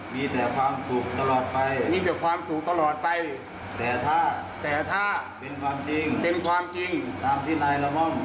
มีแต่ความสุขตลอดไปแต่ถ้าเป็นความจริง